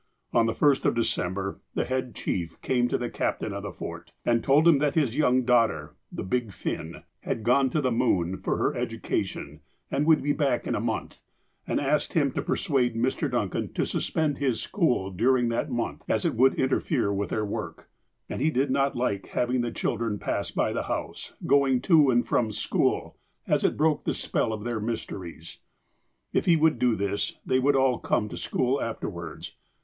On the first of December, the head chief came to the captain of the Fort, and told him that his young daugh ter ("the big fin") had gone to the moon for her educa tion, and would be back in a month, and asked him to persuade Mr. Duncan to suspend his school during that month, as it would interfere with their work, and he did not like to have the children pass by the house, going to and from school, as it broke the spell of their mysteries. If he would do this, they would all come to school after wards.